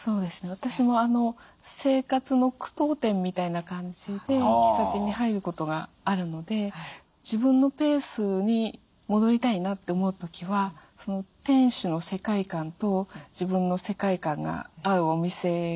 私も生活の句読点みたいな感じで喫茶店に入ることがあるので自分のペースに戻りたいなって思う時は店主の世界観と自分の世界観が合うお店がぴったりですね。